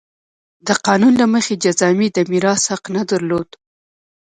د قانون له مخې جذامي د میراث حق نه درلود.